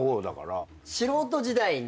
素人時代に。